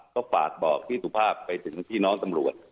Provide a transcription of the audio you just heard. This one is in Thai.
ก็ฝากบอกพี่สุภาพไปถึงพี่น้องตำรวจ